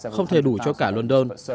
không thể đủ cho cả london